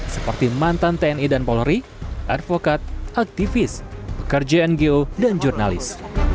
seperti mantan tni dan polri advokat aktivis pekerja ngo dan jurnalis